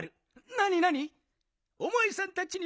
なになに？